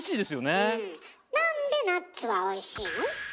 なんでナッツはおいしいの？